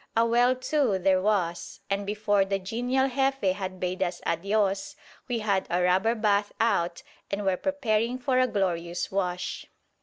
A well too, there was, and before the genial Jefe had bade us "Adios!" we had our rubber bath out and were preparing for a glorious wash.